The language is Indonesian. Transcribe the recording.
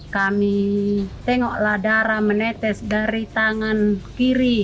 kami tengoklah darah menetes dari tangan kiri